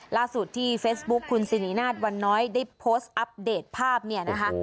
ล่าสุดที่เฟซบุ๊คคุณสิรินาทวันน้อยได้โพสต์อัปเดตภาพเนี่ยนะคะ